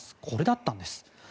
これだったんです。